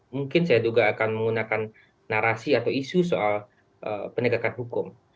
mungkin saya duga akan menggunakan narasi atau isu soal penegakan hukum